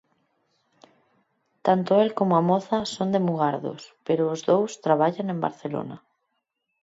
Tanto el como a moza son de Mugardos, pero os dous traballan en Barcelona.